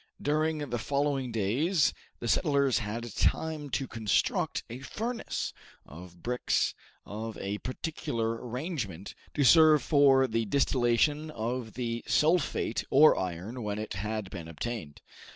During the following days the settlers had time to construct a furnace of bricks of a particular arrangement, to serve for the distillation of the sulphate or iron when it had been obtained.